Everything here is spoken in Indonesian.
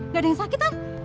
gak ada yang sakit